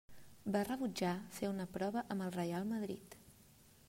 Va rebutjar fer una prova amb el Reial Madrid.